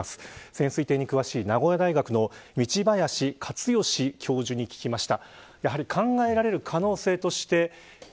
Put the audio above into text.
潜水艇に詳しい名古屋大学の道林教授に聞きました。